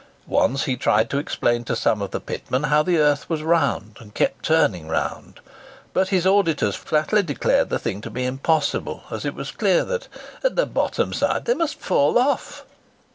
Once he tried to explain to some of the pitmen how the earth was round, and kept turning round. But his auditors flatly declared the thing to be impossible, as it was clear that "at the bottom side they must fall off!"